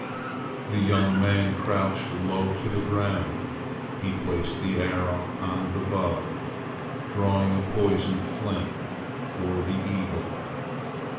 The young man crouched low to the ground. He placed the arrow on the bow, drawing a poisoned flint for the eagle.